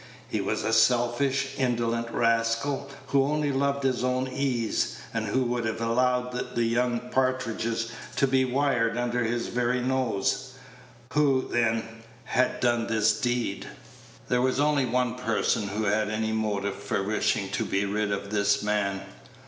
He was a selfish, indolent rascal, who only loved his own ease, and who would have allowed the young partridges to be wired under his very nose. Who, then, had done this deed? There was only one person who had any motive for wishing to be rid of this man.